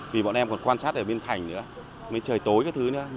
vì bọn em còn quan sát ở bên thành nữa mới trời tối các thứ nữa